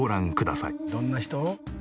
どんな人？